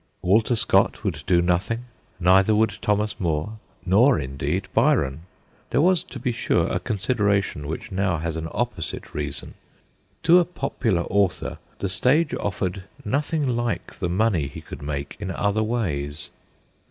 Walter Scott would do nothing, neither would Thomas Moore, nor, indeed, Byron. There was, to be sure, a consideration which now has an opposite reason: to a popular author the stage offered nothing like the money he could make in other ways.